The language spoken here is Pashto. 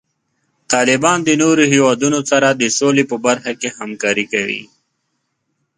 طالبان د نورو هیوادونو سره د سولې په برخه کې همکاري کوي.